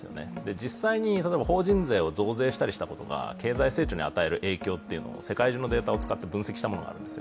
実際に例えば法人税を増税した結果、経済成長に与える影響というのを、世界中のデータを使って分析したものがあるんです。